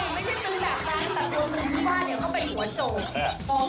ไม่ใช่ตึงค่ะแต่ตัวตึงที่บ้านเขาเป็นหัวโจ